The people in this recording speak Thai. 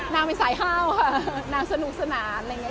นางเป็นสายห้าวค่ะนางสนุกสนานอะไรอย่างนี้